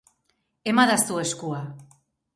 Emadazu eskua.